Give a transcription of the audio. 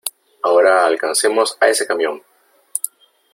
¡ Ahora alcancemos a ese camión !